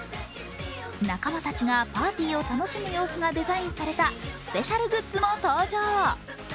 仲間たちがパーティーを楽しむ様子がデザインされたスペシャルグッズも登場。